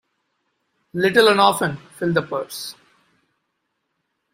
Little and often fill the purse.